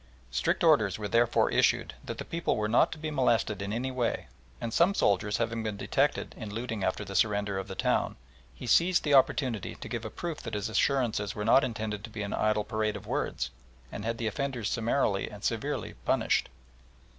Strict orders were, therefore, issued that the people were not to be molested in any way, and some soldiers having been detected in looting after the surrender of the town, he seized the opportunity to give a proof that his assurances were not intended to be an idle parade of words, and had the offenders summarily and severely punished.